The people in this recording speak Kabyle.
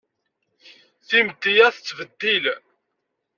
Timetti a tettbeddil